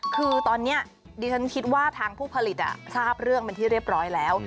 คือตอนนี้ดิฉันคิดว่าทางผู้ผลิตทราบเรื่องเป็นที่เรียบร้อยแล้ว